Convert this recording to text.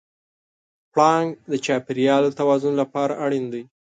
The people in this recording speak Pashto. پړانګ د چاپېریال د توازن لپاره اړین دی.